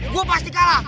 gue pasti kalah